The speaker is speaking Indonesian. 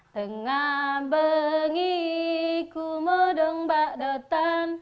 tengah bengi kumodong bak dotan